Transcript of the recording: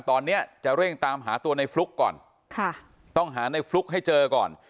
ตอนนี้จะเร่งตามหาตัวในฟลุ๊กก่อนค่ะต้องหาในฟลุ๊กให้เจอก่อน